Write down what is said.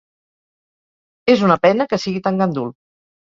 És una pena que sigui tan gandul.